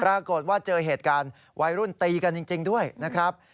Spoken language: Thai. ปรากฏว่าเจอเหตุการณ์วัยรุ่นตีกันจริงด้วยนะครับ